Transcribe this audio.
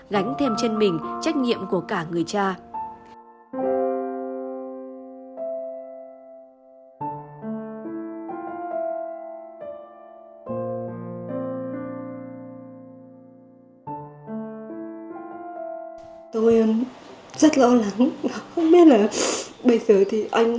gánh thêm trên mình trách nhiệm của những người phụ nữ